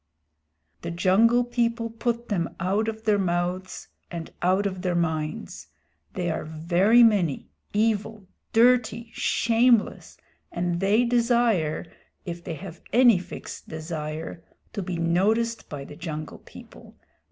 "The Jungle People put them out of their mouths and out of their minds. They are very many, evil, dirty, shameless, and they desire, if they have any fixed desire, to be noticed by the Jungle People.